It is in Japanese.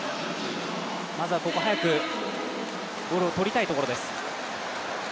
まずはここを早くボールを取りたいところです。